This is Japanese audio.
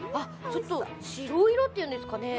ちょっと白色っていうんですかね